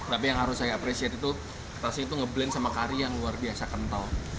tapi yang harus saya apresiasi itu rasanya itu nge blend sama kari yang luar biasa kental